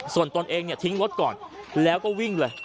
ส่วนตนเองเนี่ยทิ้งรถก่อนแล้วก็วิ่งเลย